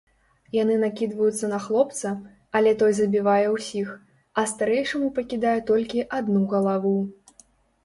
Яны накідваюцца на хлопца, але той забівае ўсіх, а старэйшаму пакідае толькі адну галаву.